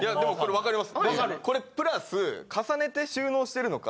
わかります？